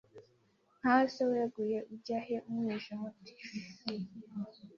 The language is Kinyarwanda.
Nka we se weguye ujya he Umwijima uti «shyuuuu